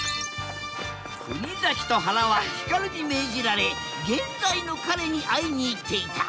国崎とはらはヒカルに命じられ現在の彼に会いに行っていた